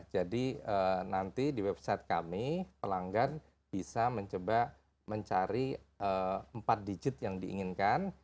jadi nanti di website kami pelanggan bisa mencoba mencari empat digit yang diinginkan